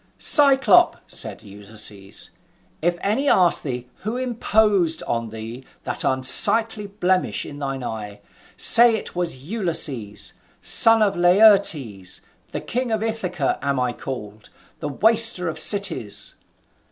"Cyclop," said Ulysses, "if any ask thee who imposed on thee that unsightly blemish in thine eye, say it was Ulysses, son of Laertes: the king of Ithaca am I called, the waster of cities."